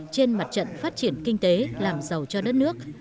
trên mặt trận phát triển kinh tế làm giàu cho đất nước